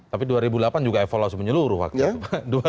tapi dua ribu delapan juga evaluasi menyeluruh waktunya